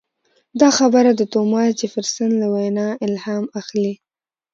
دا خبره د توماس جفرسن له وینا الهام اخلي.